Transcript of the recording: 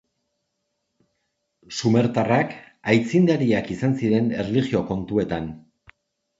Sumertarrak aitzindariak izan ziren erlijio kontuetan.